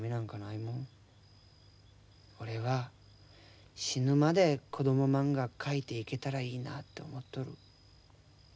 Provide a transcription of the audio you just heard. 俺は死ぬまで子どもまんが描いていけたらいいなと思っとる。